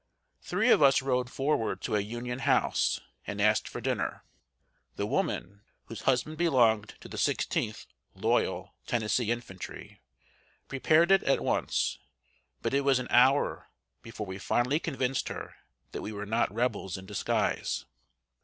Three of us rode forward to a Union house, and asked for dinner. The woman, whose husband belonged to the Sixteenth (loyal) Tennessee Infantry, prepared it at once; but it was an hour before we fully convinced her that we were not Rebels in disguise.